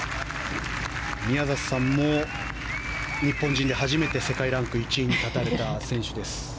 宮里さんも日本人で初めて世界ランク１位に立たれた選手です。